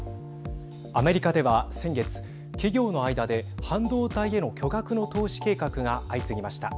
アメリカでは、先月企業の間で、半導体への巨額の投資計画が相次ぎました。